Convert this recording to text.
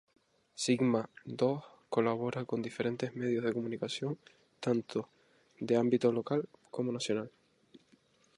Sigma Dos colabora con diferentes medios de comunicación, tanto de ámbito local como nacional.